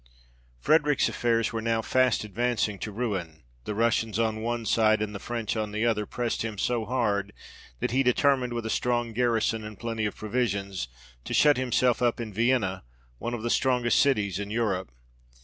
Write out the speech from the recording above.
Frederick's affairs were now fast advancing to ruin ; the Russians on one side and the French on the other pressed him so hard, that he determined, with a strong garrison and plenty of provisions, to shut himself up in Vienna, one of the strongest cities in Europe.